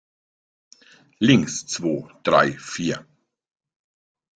Links, zwo, drei, vier!